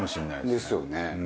ですよね。